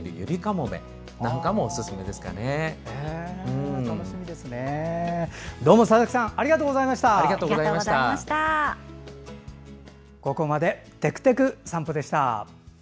ここまで「てくてく散歩」でした。